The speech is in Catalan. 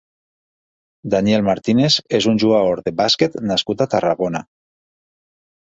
Daniel Martínez és un jugador de bàsquet nascut a Tarragona.